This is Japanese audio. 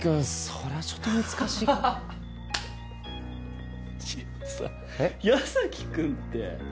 それはちょっと難しいかも新町さん「矢崎君」ってえっ？